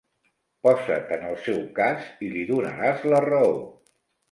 Posa't en el seu cas i li donaràs la raó.